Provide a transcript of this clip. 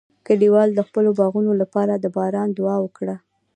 کلیوال د خپلو باغونو لپاره د باران دعا وکړه.